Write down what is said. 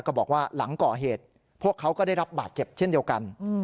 บอกว่าหลังก่อเหตุพวกเขาก็ได้รับบาดเจ็บเช่นเดียวกัน